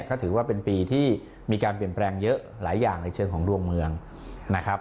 ก็ถือว่าเป็นปีที่มีการเปลี่ยนแปลงเยอะหลายอย่างในเชิงของดวงเมืองนะครับ